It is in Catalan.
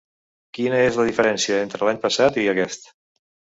Quina és la diferència entre l’any passat i aquest?